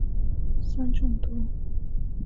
酸中毒。